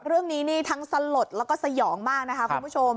เรื่องนี้ทั้งสะหรดและสยองบ้างนะคะคุณผู้ชม